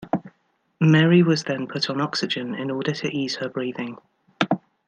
Mary was then put on oxygen in order to ease her breathing.